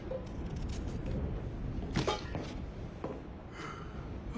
・はあ。